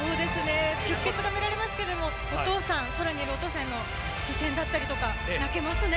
出血が見られますけどお父さんへの視線だったりとか泣けますね。